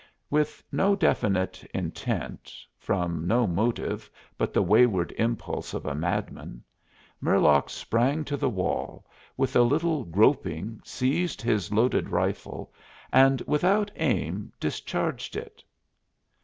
With no definite intent, from no motive but the wayward impulse of a madman, Murlock sprang to the wall, with a little groping seized his loaded rifle, and without aim discharged it.